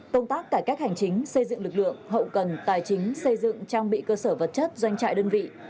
công tác cải cách hành chính xây dựng lực lượng hậu cần tài chính xây dựng trang bị cơ sở vật chất doanh trại đơn vị